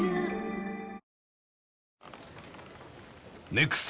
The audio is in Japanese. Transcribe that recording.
ネクスト